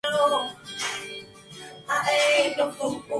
Allí permaneció durante toda su carrera como jugador.